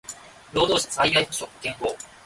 労働者災害補償保険法